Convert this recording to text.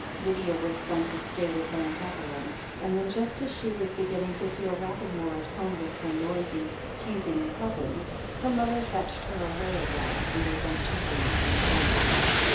Lydia was sent to stay with Aunt Evel]m, and then, just as she was beginning to feel rather more at home with her noisy, teasing cousins, her mother fetched her away again and they went to rooms in Hampstead.